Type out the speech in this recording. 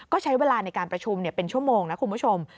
ก็ใช้เวลาในการประชุมเป็นชั่วโมงนะคุณผู้ชม